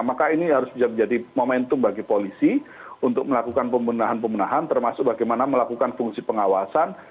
maka ini harus bisa menjadi momentum bagi polisi untuk melakukan pembenahan pembenahan termasuk bagaimana melakukan fungsi pengawasan